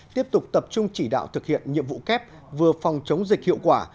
tiếp tục tập trung chỉ đạo thực hiện nhiệm vụ kép vừa phòng chống dịch hiệu quả